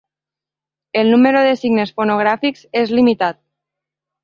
El número de signes fonogràfics és limitat.